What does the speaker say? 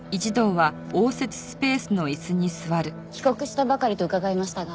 帰国したばかりと伺いましたが。